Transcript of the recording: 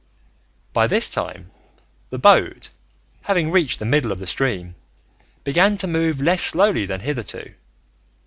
By this time, the boat, having reached the middle of the stream, began to move less slowly than hitherto.